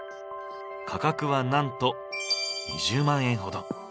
価格はなんと２０万円ほど。